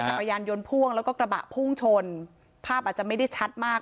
จักรยานยนต์พ่วงแล้วก็กระบะพุ่งชนภาพอาจจะไม่ได้ชัดมาก